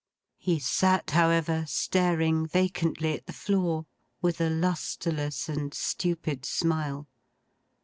He sat, however, staring vacantly at the floor; with a lustreless and stupid smile.